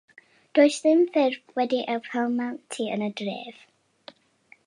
Does dim ffyrdd wedi eu palmantu yn y dref.